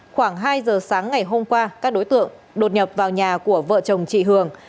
khoảng hai giờ sáng ngày hôm qua các đối tượng đột nhập vào nhà của vợ chồng chị hường